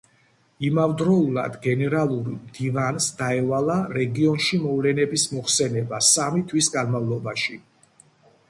იმავდროულად, გენერალური მდივანს დაევალა რეგიონში მოვლენების მოხსენება სამი თვის განმავლობაში.